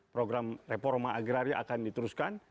program reforma agraria akan diteruskan